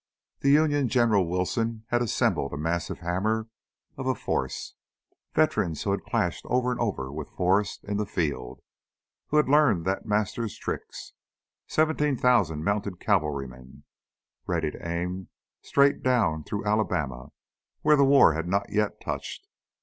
The Union's General Wilson had assembled a massive hammer of a force, veterans who had clashed over and over with Forrest in the field, who had learned that master's tricks. Seventeen thousand mounted cavalrymen, ready to aim straight down through Alabama where the war had not yet touched.